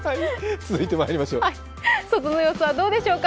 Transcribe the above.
続いてまいりましょうか。